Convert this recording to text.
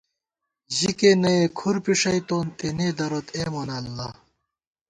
ژِکےنہ ئے کُھر پھݭئی تون، تېنے دروت اے مونہ اللہ